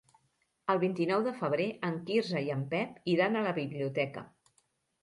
El vint-i-nou de febrer en Quirze i en Pep iran a la biblioteca.